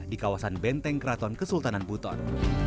di kawasan benteng keraton kesultanan buton